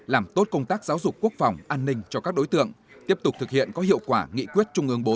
làm tốt công tác giáo dục quốc phòng an ninh cho các đối tượng tiếp tục thực hiện có hiệu quả nghị quyết trung ương bốn